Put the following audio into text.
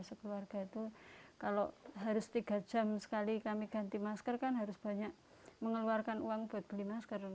sekeluarga itu kalau harus tiga jam sekali kami ganti masker kan harus banyak mengeluarkan uang buat beli masker